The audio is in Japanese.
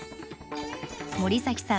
森崎さん